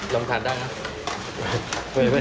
ลองทานได้ไหม